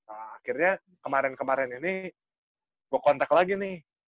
akhirnya kemarin kemarin ini gua contact lagi nih